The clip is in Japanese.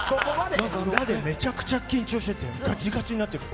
裏でめちゃくちゃ緊張しててガチガチになってて。